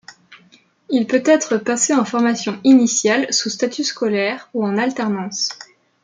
Il peut être passé en formation initiale sous statut scolaire ou en alternance.